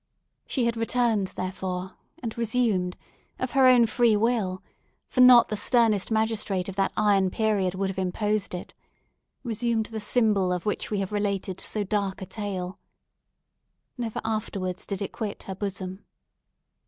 She had returned, therefore, and resumed—of her own free will, for not the sternest magistrate of that iron period would have imposed it—resumed the symbol of which we have related so dark a tale. Never afterwards did it quit her bosom.